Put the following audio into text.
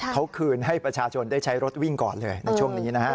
เขาคืนให้ประชาชนได้ใช้รถวิ่งก่อนเลยในช่วงนี้นะฮะ